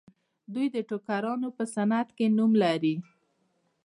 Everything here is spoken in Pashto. دوی د ټوکرانو په صنعت کې نوم لري.